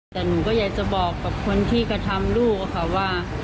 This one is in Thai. แต่หนูก็อยากจะบอกกับคนที่กระทำลูกค่ะว่า